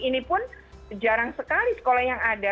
ini pun jarang sekali sekolah yang ada